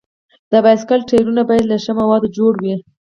د بایسکل ټایرونه باید له ښي موادو جوړ وي.